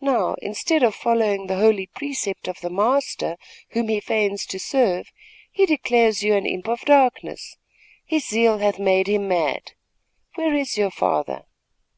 Now, instead of following the holy precept of the Master, whom he feigns to serve, he declares you an imp of darkness. His zeal hath made him mad. Where is your father?"